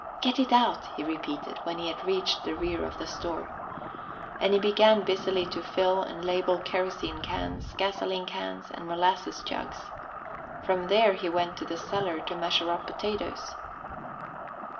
"Get it out," he repeated when he had reached the rear of the store. And he began busily to fill and label kerosene cans, gasoline cans, and molasses jugs. From there he went to the cellar to measure up potatoes.